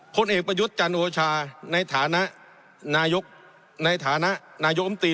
ผลเอกประยุทธ์จันทร์โอชาในฐานะนายกรัฐมนตรี